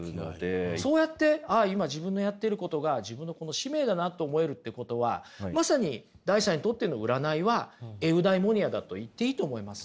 そうやってああ今自分のやってることが自分のこの使命だなあと思えるってことはまさにダイさんにとっての占いはエウダイモニアだと言っていいと思いますね。